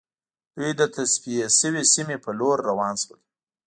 دوی د تصفیه شوې سیمې په لور روان شول